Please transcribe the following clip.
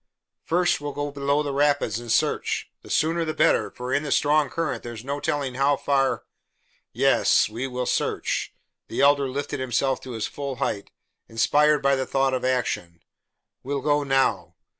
"First, we will go below the rapids and search; the sooner the better, for in the strong current there is no telling how far " "Yes, we will search." The Elder lifted himself to his full height, inspired by the thought of action. "We'll go now."